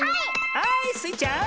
はいスイちゃん。